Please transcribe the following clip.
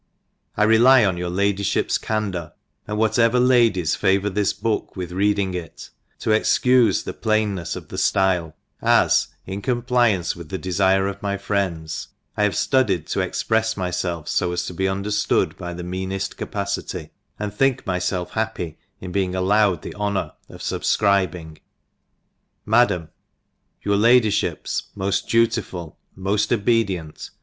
I rely on your Ladyfhip^s candour, and whatever Ladies favour this book with reading it, to excufe the plainnefs of the ftyle ; as, in compliance with the defire of my friends, I have ftudied to exprefs myfelf fb as to be under ftood by the meaneft capacity, and think myfelf happy in being allowed the honour of fubfcribing, MADAM, Your Ladyfhip^s Moft dutiful. Moft obedient.